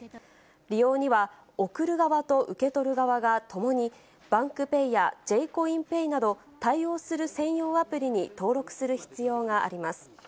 利用には、送る側と受け取る側がともにＢａｎｋＰａｙや、Ｊコインペイなど、対応する専用アプリに登録する必要があります。